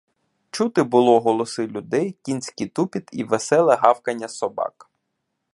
Чути було голоси людей, кінський тупіт і веселе гавкання собак.